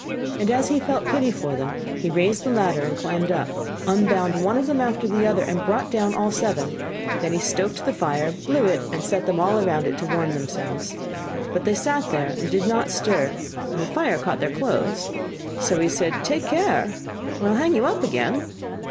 And as he felt pity for them, he raised the ladder, and climbed up, unbound one of them after the other, and brought down all seven. Then he stoked the fire, blew it, and set them all round it to warm themselves. But they sat there and did not stir, and the fire caught their clothes. So he said: 'Take care, or I will hang you up again.